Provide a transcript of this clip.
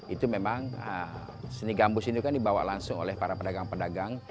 itu memang seni gambus ini kan dibawa langsung oleh para pedagang pedagang